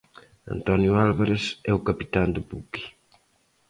Antonio Álvarez, é o capitán do buque.